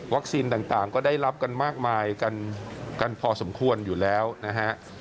วัคซีนต่างต่างก็ได้รับกันมากมายกันกันพอสมควรอยู่แล้วนะฮะ